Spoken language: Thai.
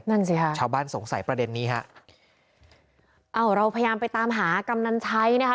นั่นสิค่ะชาวบ้านสงสัยประเด็นนี้ฮะอ้าวเราพยายามไปตามหากำนันใช้นะคะ